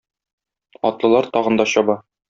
Атлылар тагын да чаба.